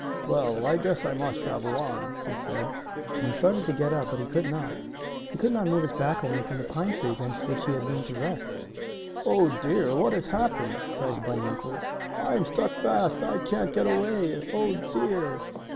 "Well, I guess I must travel on," he said, and he started to get up, but he could not. He could not move his back away from the pine tree against which he had leaned to rest. "Oh, dear! what has happened," cried the bunny uncle. "I am stuck fast! I can't get away! Oh, dear!"